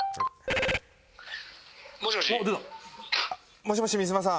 もしもし三島さん